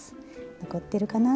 残ってるかな？